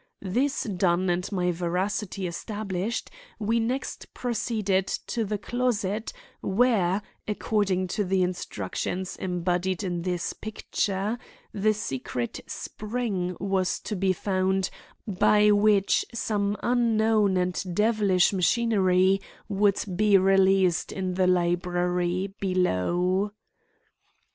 This done and my veracity established, we next proceeded to the closet where, according to the instructions embodied in this picture, the secret spring was to be found by which some unknown and devilish machinery would be released in the library below.